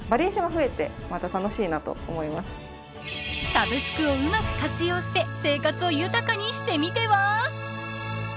サブスクをうまく活用して生活を豊かにしてみては。